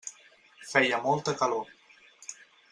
Feia molta calor.